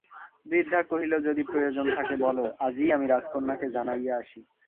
বৃদ্ধা কহিল যদি প্রয়োজন থাকে বল, আজিই আমি রাজকন্যাকে জানাইয়া আসি।